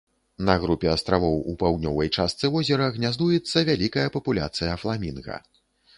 На групе астравоў у паўднёвай частцы возера гняздуецца вялікая папуляцыя фламінга.